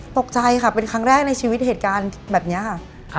ตกใจค่ะเป็นครั้งแรกในชีวิตเหตุการณ์แบบนี้ค่ะ